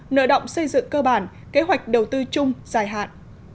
nợ động xây dựng cơ bản kế hoạch đầu tư chung dài hạn